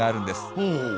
ほう。